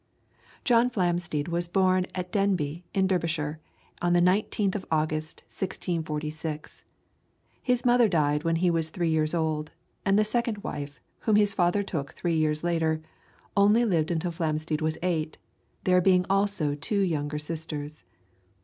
John Flamsteed was born at Denby, in Derbyshire, on the 19th of August, 1646. His mother died when he was three years old, and the second wife, whom his father took three years later, only lived until Flamsteed was eight, there being also two younger sisters.